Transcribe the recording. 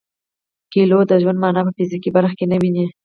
کویلیو د ژوند مانا په فزیکي بریا کې نه ویني.